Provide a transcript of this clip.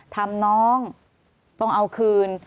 ทำน้องต้องเอาคืน